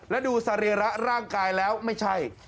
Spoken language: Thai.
และดูสรีระร่างกายแล้วไม่ใช่